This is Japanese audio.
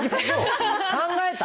考えた？